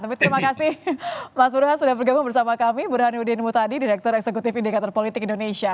tapi terima kasih mas burhan sudah bergabung bersama kami burhanuddin mutadi direktur eksekutif indikator politik indonesia